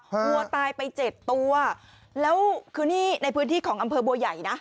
วัวตายไปเจ็ดตัวแล้วคือนี่ในพื้นที่ของอำเภอบัวใหญ่นะ